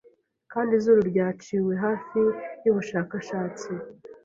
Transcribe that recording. Kandi izuru ryaciwe hafi yubushakashatsi